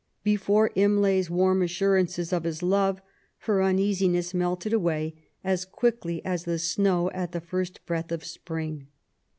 Before Imlay's warm ^assurances of his love, her uneasiness melted away as quickly as the snow at the first breath of spring.